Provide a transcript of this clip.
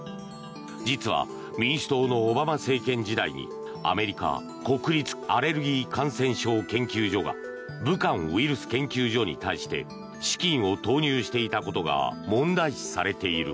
実は民主党のオバマ政権時代にアメリカ国立アレルギー・感染症研究所が武漢ウイルス研究所に対して資金を投入していたことが問題視されている。